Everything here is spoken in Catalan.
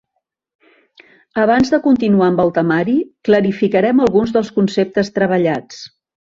Abans de continuar amb el temari, clarificarem alguns dels conceptes treballats.